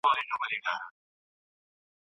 زده کړه مې له عملي کاره وکړه.